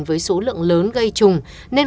với số lượng lớn gây trùng nên